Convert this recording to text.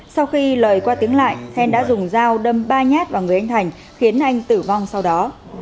sau khi lời qua tiếng lại then đã dùng dao đâm ba nhát vào người anh thành khiến anh tử vong sau đó